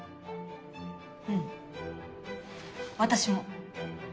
うん私も。